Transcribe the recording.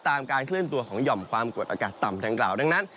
การเคลื่อนตัวของหย่อมความกดอากาศต่ำดังกล่าวดังนั้น